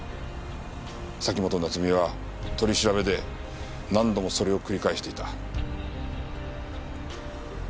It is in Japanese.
崎本菜津美は取り調べで何度もそれを繰り返していた。